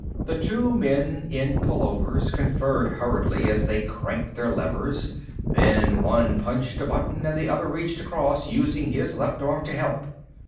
The two men in pullovers conferred hurriedly as they cranked their levers; then one punched a button and the other reached across, using his left arm to help.